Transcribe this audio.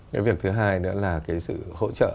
cái việc thứ hai nữa là cái sự hỗ trợ